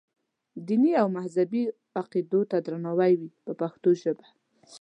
دیني او مذهبي عقیدو ته درناوی وي په پښتو ژبه.